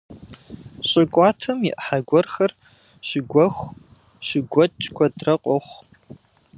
Щӏы кӏуатэм и ӏыхьэ гуэрхэр щыгуэху, щыгуэкӏ куэдрэ къохъу.